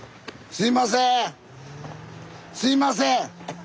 すいません。